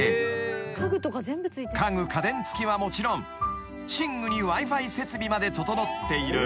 ［家具家電付きはもちろん寝具にＷｉ−Ｆｉ設備まで整っている］